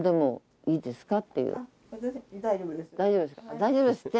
大丈夫ですって。